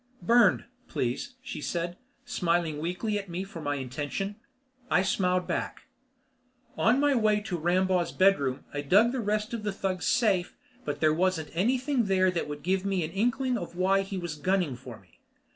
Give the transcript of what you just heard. "Burned, please," she said, smiling weakly at me for my intention. I smiled back. On my way to Rambaugh's bedroom I dug the rest of the thug's safe but there wasn't anything there that would give me an inkling of why he was gunning for me.